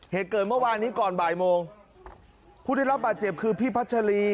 เหตุเกิดเมื่อวานนี้ก่อนบ่ายโมงผู้ได้รับบาดเจ็บคือพี่พัชรี